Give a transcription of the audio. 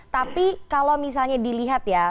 tapi kalau misalnya dilihat ya